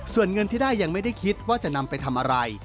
ส่วนเงินที่ได้ยังไม่ได้คิดว่าจะนำไปทำอะไร